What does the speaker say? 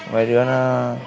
mấy đứa nó